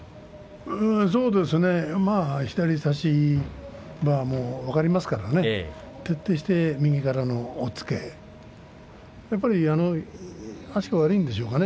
そうですね、左差し分かりますからね徹底して右からの押っつけやはり足が悪いんでしょうかね。